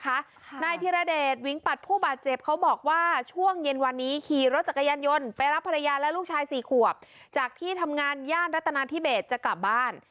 นายธิรเดชวิงปัดผู้บาดเจ็บเขาบอกว่าช่วงเย็นวันนี้ขี่รถจักรยานยนต์ไปรับภรรยาและลูกชายสี่ขวบจากที่ทำงานย่านรัฐนาธิเบสจะกลับบ้าน